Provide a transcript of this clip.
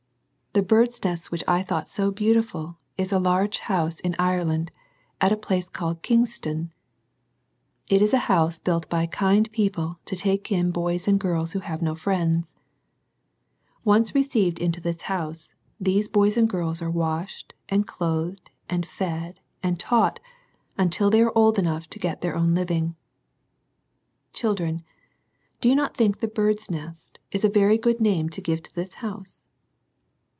The bird's nest which I thought so beautif is a large house in Ireland, at a place callc Kingstown. It is a house built by kind peop to take in boys and girls who have no friend Once received into this house, these boys ar girls are washed, and clothed, and fed, ai taught, until they are old enough to get the own living. Children, do you not think tl " Bird's Nest" was a very good name to give i this house